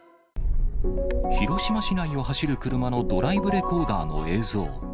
広島市内を走る車のドライブレコーダーの映像。